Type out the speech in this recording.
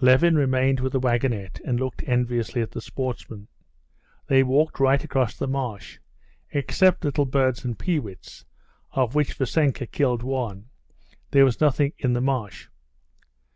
Levin remained with the wagonette, and looked enviously at the sportsmen. They walked right across the marsh. Except little birds and peewits, of which Vassenka killed one, there was nothing in the marsh.